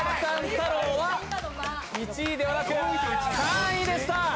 太郎は１位ではなく３位でした！